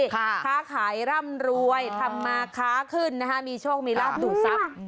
ข้าขายร่ำรวยทำมาข้าขึ้นมีโชคมีลาดดูดซับ